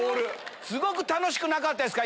すごく楽しくなかったですか？